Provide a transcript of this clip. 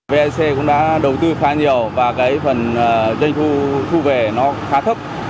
vec cũng đã đầu tư khá nhiều và cái phần doanh thu thu về nó khá thấp